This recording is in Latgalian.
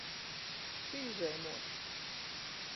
Pīzeimuot.